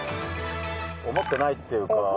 思ってないっていうか。